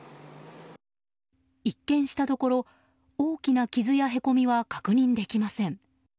一見したところ、大きな傷やへこみは確認できません。